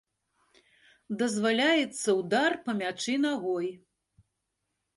Дазваляецца ўдар па мячы нагой.